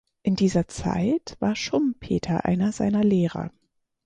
In dieser Zeit war Schumpeter einer seiner Lehrer.